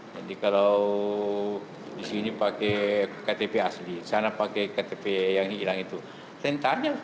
jadi kalau di sini pakai ktp asli sana pakai ktp yang hilang itu tinta nya tetap ada